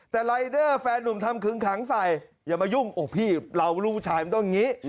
แต่รายเด้อแฟนหนุ่มทำคึงขังใส่อย่ามายุ่งโอ๊ยพี่เราลูกชายมันต้องแบบนี้